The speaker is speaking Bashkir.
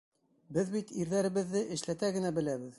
Беҙ бит ирҙәребеҙҙе эшләтә генә беләбеҙ!